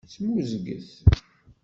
Smuzget.